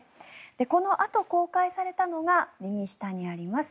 このあと、公開されたのが右下にあります